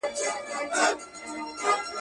زولنې یې شرنګولې د زندان استازی راغی.